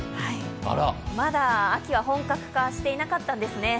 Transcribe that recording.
まだ、秋は本格化していなかったんですね。